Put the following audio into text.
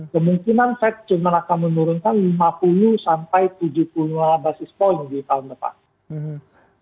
kemungkinan fed cuma akan menurunkan lima puluh sampai tujuh puluh lima basis point di tahun depan